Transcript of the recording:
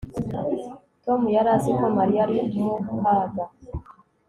Tom yari azi ko Mariya ari mu kaga